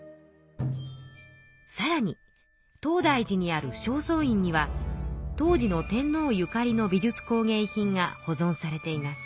さらに東大寺にある正倉院には当時の天皇ゆかりの美術工芸品が保存されています。